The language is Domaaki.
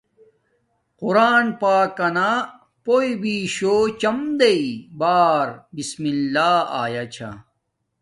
قُرآن پاکانا پُیݸبِیشُوچمدَݵ باربسمِلﷲآیاچھآ